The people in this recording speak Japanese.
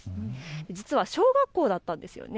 実は小学校だったんですよね。